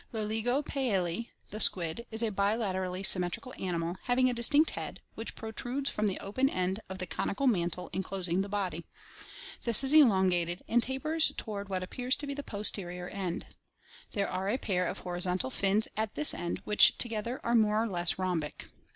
— Loligo pealii, the squid, is a bilaterally sym metrical animal, having a distinct head, which protrudes from the open end of the conical mantle enclosing the body. This is elongated and tapers toward what appears to be the posterior end. There are a pair of horizontal fins at this end which together are more or less rhombic.